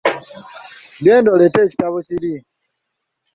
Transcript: Genda oleete ekitabo kiri.